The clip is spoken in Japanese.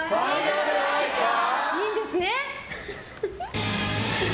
いいですね？